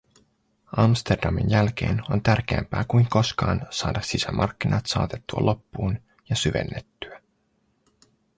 Amsterdamin jälkeen on tärkeämpää kuin koskaan saada sisämarkkinat saatettua loppuun ja syvennettyä.